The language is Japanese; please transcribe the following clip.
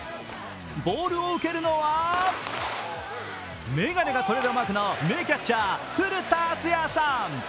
ボールを受けるのは、眼鏡がトレードマークの名キャッチャー・古田敦也さん。